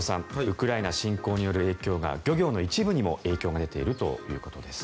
ウクライナ侵攻による影響が漁業の一部にも影響が出ているということです。